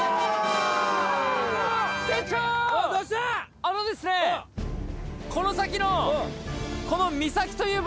あのですねこの先の。